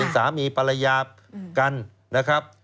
สามีภรรยากันนะครับ